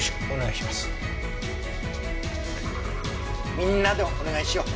みんなでお願いしよう。